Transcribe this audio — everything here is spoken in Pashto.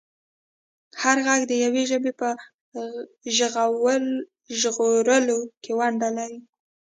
هر غږ د یوې ژبې په ژغورلو کې ونډه لري.